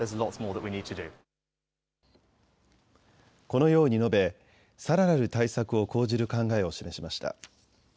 このように述べ、さらなる対策を講じる考えを示しました。